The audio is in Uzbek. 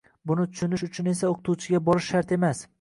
Buni tushunish uchun esa oʻqituvchiga borish shart emas.